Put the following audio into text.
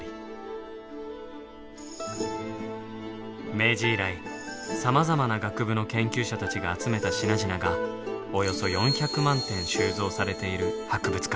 明治以来さまざまな学部の研究者たちが集めた品々がおよそ４００万点収蔵されている博物館。